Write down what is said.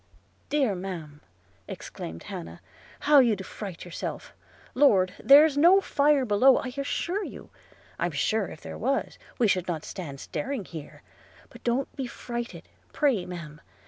'Dear ma'am,' exclaimed Hannah, 'how you do fright yourself! – Lord! there's no fire below, I assure you; I'm sure if there was, we should not stand staring here; but don't be frightened, pray, ma'am!